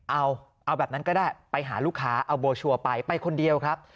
เอาเอาแบบนั้นก็ได้ไปหาลูกค้าเอาโบชัวร์ไปไปคนเดียวครับ